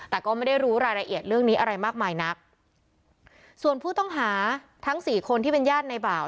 แต่ก็ไม่ได้รู้รายละเอียดเรื่องนี้อะไรมากมายนักส่วนผู้ต้องหาทั้งสี่คนที่เป็นญาติในบ่าว